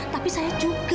tapi saya juga